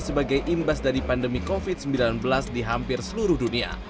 sebagai imbas dari pandemi covid sembilan belas di hampir seluruh dunia